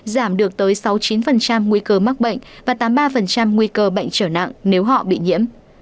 giảm được tới sáu mươi chín nguy cơ mắc bệnh và tám mươi ba nguy cơ bệnh trở nặng nếu họ bị nhiễm